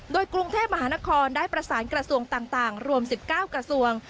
โดยกรุงเทพมหานครได้ประสานกระทรวงต่างรวม๑๙กระทรวง